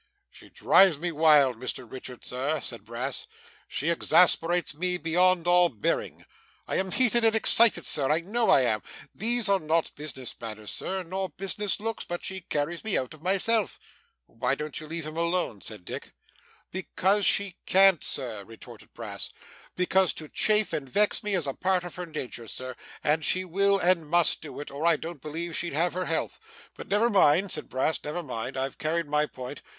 'She drives me wild, Mr Richard, sir,' said Brass, 'she exasperates me beyond all bearing. I am heated and excited, sir, I know I am. These are not business manners, sir, nor business looks, but she carries me out of myself.' 'Why don't you leave him alone?' said Dick. 'Because she can't, sir,' retorted Brass; 'because to chafe and vex me is a part of her nature, Sir, and she will and must do it, or I don't believe she'd have her health. But never mind,' said Brass, 'never mind. I've carried my point.